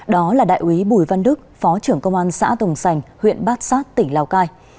đó là đại úy bùi văn đức phó trưởng công an xã tồng sành huyện bát sát tỉnh lào cai